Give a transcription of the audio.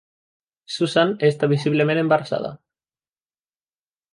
Susan està visiblement embarassada.